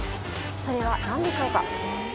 それは何でしょうか？